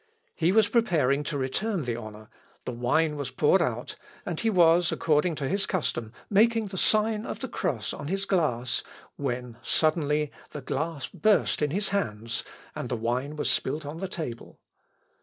He was preparing to return the honour, the wine was poured out, and he was, according to his custom, making the sign of the cross on his glass, when suddenly the glass burst in his hands, and the wine was spilt upon the table.